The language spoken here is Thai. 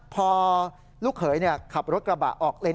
พอขับรถไป